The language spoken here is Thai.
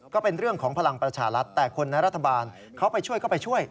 ก็เป็นเรื่องของพลังประชารัฐแต่คนในรัฐบาลเขาไปช่วยก็ไปช่วย